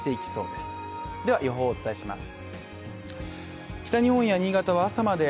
では、予報をお伝えします。